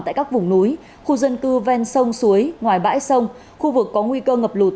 tại các vùng núi khu dân cư ven sông suối ngoài bãi sông khu vực có nguy cơ ngập lụt